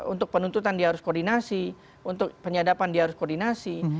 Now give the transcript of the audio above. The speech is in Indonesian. untuk penuntutan dia harus koordinasi untuk penyadapan dia harus koordinasi